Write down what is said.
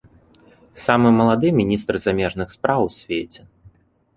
Самы малады міністр замежных спраў у свеце.